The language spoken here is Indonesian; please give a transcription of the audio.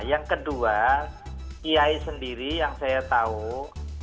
yang kedua iai sendiri yang saya tahu itu sudah membatasi